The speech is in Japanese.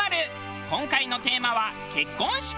今回のテーマは結婚式。